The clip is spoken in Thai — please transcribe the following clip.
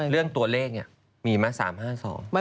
เรื่องตัวเลขนี่มีมา๓๕๒